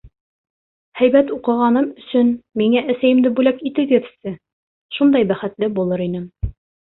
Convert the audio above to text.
Һәйбәт уҡығаным өсөн миңә әсәйемде бүләк итегеҙсе, шундай бәхетле булыр инем.